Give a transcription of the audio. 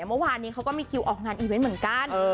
เมื่อวานนี้เขาก็มีคิวออกงานอีเวนต์เหมือนกัน